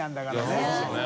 そうですよね。